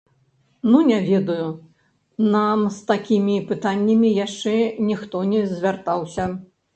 Ну не ведаю, нам з такімі пытаннямі яшчэ ніхто не звяртаўся.